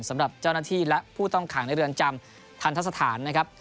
สำหรับเจ้าหน้าที่และผู้ต้องขังในเรือนจำทันทสถานนะครับ